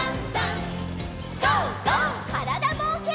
からだぼうけん。